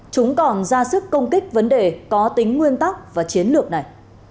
chúng còn ra sức công kích vấn đề có tính nguyên tắc và chiến lược này